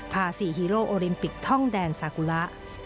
ภาษีฮีโร่โอลิมปิกท่องแดนสากุระ